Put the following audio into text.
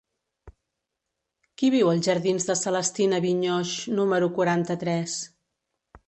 Qui viu als jardins de Celestina Vigneaux número quaranta-tres?